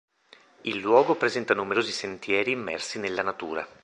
Il luogo presenta numerosi sentieri immersi nella natura.